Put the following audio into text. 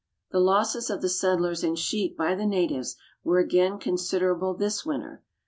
The losses of the settlers in sheep by the natives were again considerable this winter.